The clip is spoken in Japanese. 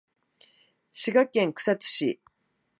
滋賀県草津市